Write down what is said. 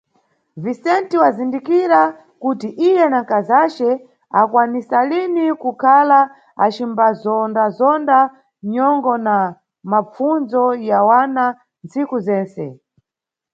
Vicente wazindikira kuti iye na nkazace ankwanisalini kukhala acimbazondazonda nyongo na mapfundzo ya wana ntsiku zentse.